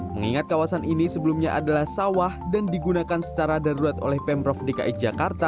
mengingat kawasan ini sebelumnya adalah sawah dan digunakan secara darurat oleh pemprov dki jakarta